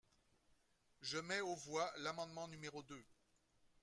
Je mets aux voix l’amendement numéro deux.